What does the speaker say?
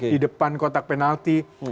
di depan kotak penalti